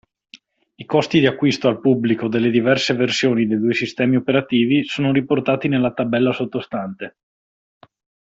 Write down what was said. I costi di acquisto al pubblico delle diverse versioni dei due sistemi operativi sono riportati nella tabella sottostante.